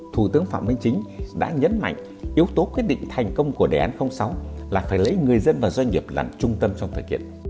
thủ tướng phạm minh chính đã nhấn mạnh yếu tố quyết định thành công của đề án sáu là phải lấy người dân và doanh nghiệp làm trung tâm trong thời kiện